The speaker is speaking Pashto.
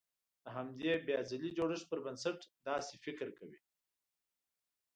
د همدې بيا ځلې جوړښت پر بنسټ داسې فکر کوي.